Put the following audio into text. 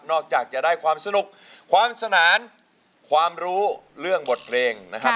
จากจะได้ความสนุกความสนานความรู้เรื่องบทเพลงนะครับ